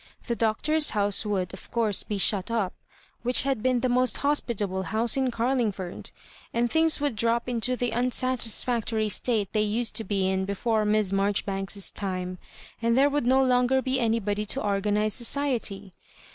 The Doctor's house would, of course, be shut up, which had been the most hospitable house in Oarlingford, and things would drop into the unsatisfactory state they used to be in before Miss Marjoribanks's time, and there would no longer be anybody to organize society.